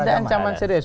tidak ada ancaman serius